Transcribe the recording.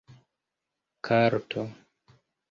karto